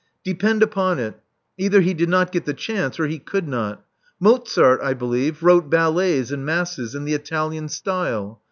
Depend upon it, either he did not get the chance or he could not. Mozart, I believe, wrote ballets and Masses in the Italian style.